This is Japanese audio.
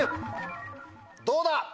どうだ？